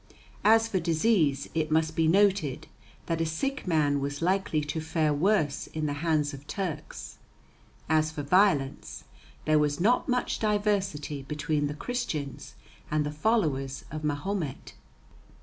As for disease, it must be noted that a sick man was likely to fare worse in the hands of Turks; as for violence, there was not much diversity between the Christians and the followers of Mahomet.